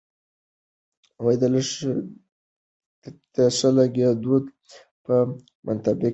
د ښه لیکدود لپاره په منطقه کي هغه يواځنۍ ژبه ده